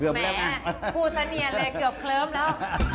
เกือบแล้วแหมพูดเสนียนเลยเกือบเคลิ้มแล้ว